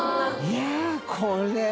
いこれは。